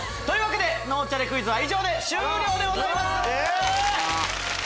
脳チャレクイズは以上で終了でございます！